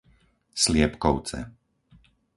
Sliepkovce